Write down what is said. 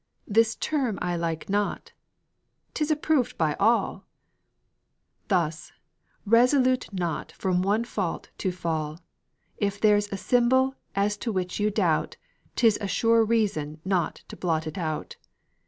"This term I like not." "'Tis approved by all." Thus, resolute not from one fault to fall, If there's a symbol as to which you doubt, 'Tis a sure reason not to blot it out.